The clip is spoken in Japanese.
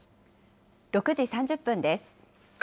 ６時３０分です。